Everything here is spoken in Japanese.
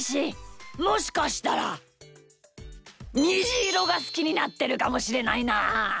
もしかしたらにじいろがすきになってるかもしれないなあ。